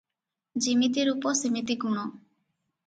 ଯିମିତି ରୂପ ସିମିତି ଗୁଣ ।